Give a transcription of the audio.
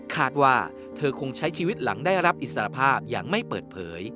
คาดว่าเธอคงใช้ชีวิตหลังได้รับอิสรภาพอย่างไม่เปิดเผย